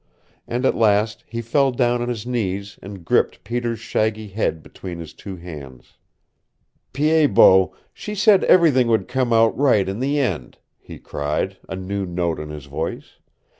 And at last he fell down on his knees and gripped Peter's shaggy head between his two hands. "Pied Bot, she said everything would come out right in the end," he cried, a new note in his voice.